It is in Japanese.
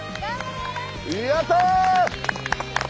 やった！